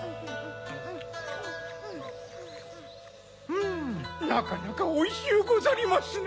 ふむなかなかおいしゅうござりますな！